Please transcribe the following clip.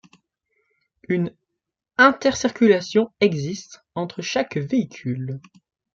Une intercirculation existe entre chaque véhicule.